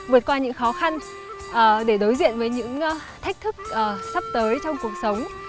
vượt qua những khó khăn để đối diện với những thách thức sắp tới trong cuộc sống